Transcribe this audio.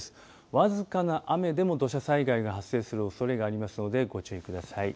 僅かな雨でも土砂災害が発生するおそれがありますのでご注意ください。